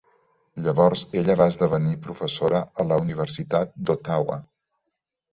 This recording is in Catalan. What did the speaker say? Llavors ella va esdevenir professora a la Universitat d'Ottawa.